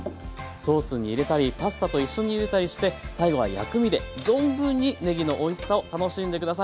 ソースに入れたりパスタと一緒にゆでたりして最後は薬味で存分にねぎのおいしさを楽しんで下さい。